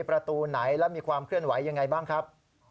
ประตูไหนและมีความเคลื่อนไหวยังไงบ้างครับ